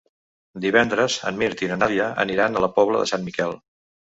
Divendres en Mirt i na Nàdia aniran a la Pobla de Sant Miquel.